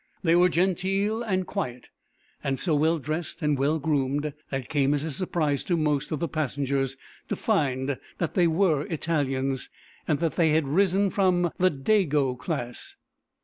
They were genteel, and quiet, and so well dressed and well groomed, that it came as a surprise to most of the passengers to find that they were Italians, and that they had risen from the "Dago" class.